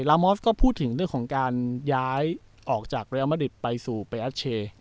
มอสก็พูดถึงเรื่องของการย้ายออกจากเรียลมาริดไปสู่ไปแอคเชย์